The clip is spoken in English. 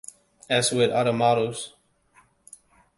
As with other models.